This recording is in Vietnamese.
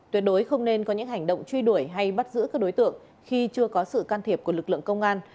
tuyệt đối không nên có những hành động truy đuổi hay bắt giữ các đối tượng khi chưa có sự can thiệp của lực lượng công an